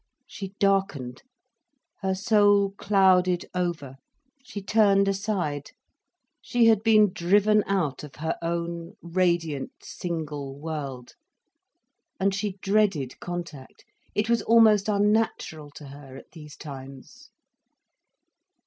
She darkened, her soul clouded over, she turned aside. She had been driven out of her own radiant, single world. And she dreaded contact, it was almost unnatural to her at these times.